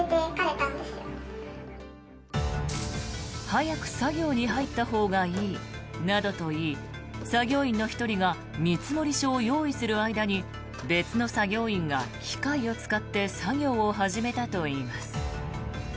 早く作業に入ったほうがいいなどと言い作業員の１人が見積書を用意する間に別の作業員が機械を使って作業を始めたといいます。